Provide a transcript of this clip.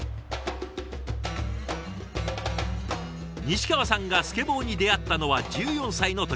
西川さんがスケボーに出会ったのは１４歳の時。